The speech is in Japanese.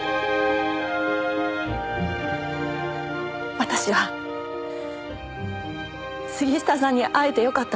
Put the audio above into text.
私は杉下さんに会えてよかったと思ってます。